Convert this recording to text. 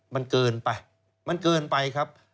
มันเกินไปมันเกินไปครับ